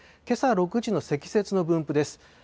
けさ６時の積雪の分布です。